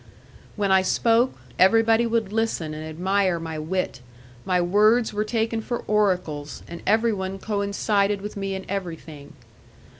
When I spoke, everybody would listen and admire my wit; my words were taken for oracles, and everyone coincided with me in everything.